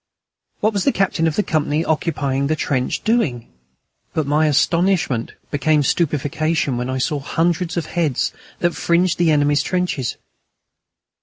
What was the captain of the company occupying the trench doing? But my astonishment became stupefaction when I saw the hundreds of heads that fringed the enemy's trenches.